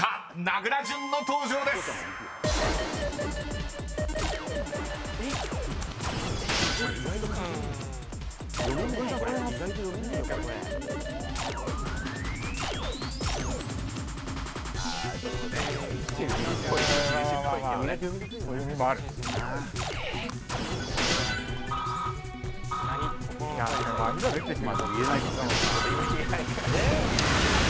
名倉潤の登場です］えっ！